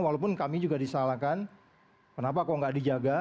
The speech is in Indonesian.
walaupun kami juga disalahkan kenapa kok nggak dijaga